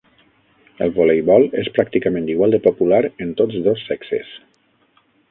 El voleibol és pràcticament igual de popular en tots dos sexes.